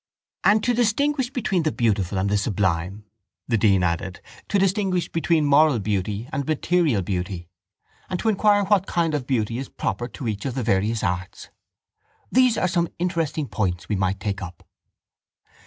—And to distinguish between the beautiful and the sublime, the dean added, to distinguish between moral beauty and material beauty. And to inquire what kind of beauty is proper to each of the various arts. These are some interesting points we might take up.